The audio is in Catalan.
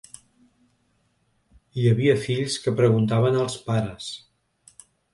Hi havia fills que preguntaven als pares.